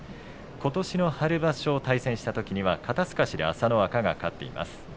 ことしの春場所対戦したときには肩すかしで朝乃若が勝っています。